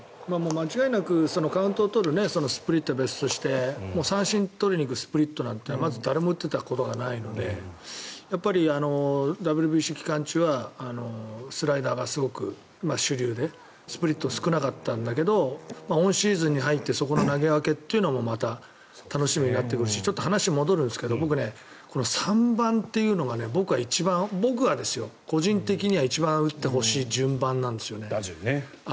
間違いなくカウントを取るスプリットは別として三振取りに行くスプリットは誰も打ったことがないのでＷＢＣ期間中はスライダーがすごく主流でスプリット少なかったんだけどオンシーズンに入ってそこの投げ分けもまた楽しみになってくるしちょっと話が戻るんだけど僕、３番というのが僕は一番僕はですよ、個人的には一番打ってほしい順番なんです。